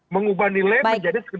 mengubah nilai menjadi segenis